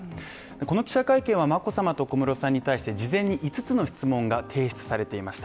この記者会見は眞子さまと小室さんに対して、事前に５つの質問が提出されていました。